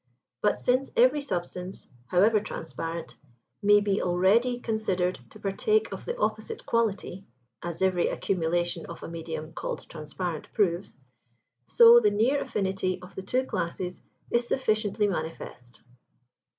But since every substance, however transparent, may be already considered to partake of the opposite quality (as every accumulation of a medium called transparent proves), so the near affinity of the two classes is sufficiently manifest.